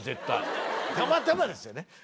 たまたまですよね